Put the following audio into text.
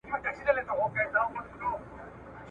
په هغه شپه یې د مرګ پر لور روان کړل ..